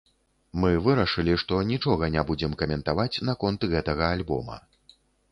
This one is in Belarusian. Мы вырашылі, што нічога не будзем каментаваць наконт гэтага альбома.